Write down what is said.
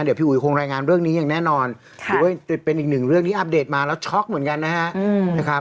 เดี๋ยวพี่อุ๋ยคงรายงานเรื่องนี้อย่างแน่นอนถือว่าเป็นอีกหนึ่งเรื่องที่อัปเดตมาแล้วช็อกเหมือนกันนะครับ